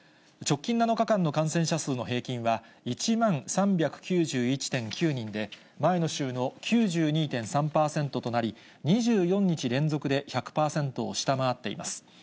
直近７日間の感染者数の平均は、１万３９１．９人で、前の週の９２．３％となり、２４日連続で１００％を下回っています。